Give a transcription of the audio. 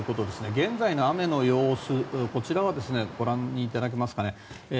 現在の雨の様子、こちらはご覧いただけますかね。